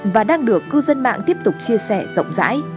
và đang được cư dân mạng tiếp tục chia sẻ rộng rãi